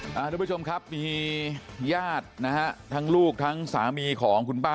คุณผู้ชมครับมีญาตินะฮะทั้งลูกทั้งสามีของคุณป้า